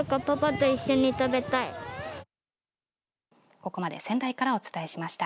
ここまで仙台からお伝えしました。